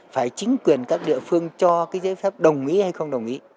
phải chính quyền các địa phương cho cái giấy phép đồng ý hay không đồng ý